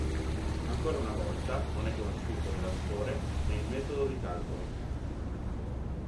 Ancora una volta, non è conosciuto né l'autore né il metodo di calcolo.